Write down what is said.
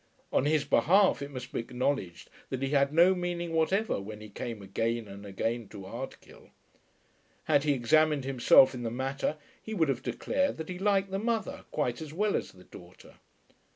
On his behalf it must be acknowledged that he had no meaning whatever when he came again and again to Ardkill. Had he examined himself in the matter he would have declared that he liked the mother quite as well as the daughter.